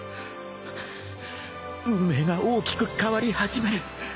ハァ運命が大きく変わり始める。